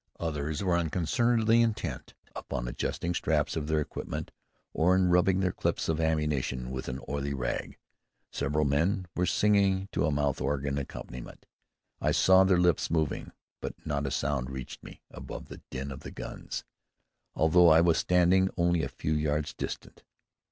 Others were unconcernedly intent upon adjusting straps of their equipment, or in rubbing their clips of ammunition with an oily rag. Several men were singing to a mouth organ accompaniment. I saw their lips moving, but not a sound reached me above the din of the guns, although I was standing only a few yards distant.